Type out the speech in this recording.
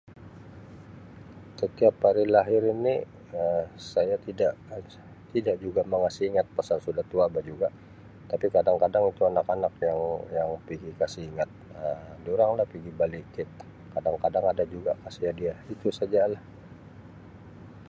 Setiap ari lahir ini ah saya tidak tidak juga mengasi ingat pasal sudah tua bah juga tapi kadang - kadang itu anak - anak yang yang pigi kasi ingat ah dorang lah yang pigi bali kek kadang kadang ada juga kasi hadiah itu sajalah